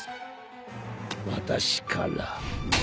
私から。